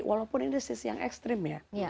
walaupun ini sisi yang ekstrim ya